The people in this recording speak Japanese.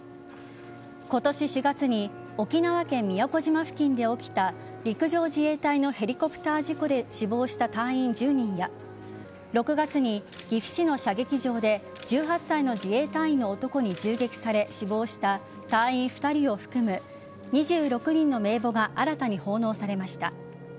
今年４月に沖縄県宮古島付近で起きた陸上自衛隊のヘリコプター事故で死亡した隊員１０人や６月に岐阜市の射撃場で１８歳の自衛隊員の男に銃撃され死亡した隊員２人を含む２６人の名簿が新たに奉納されました。